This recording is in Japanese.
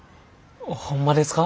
ホンマですか？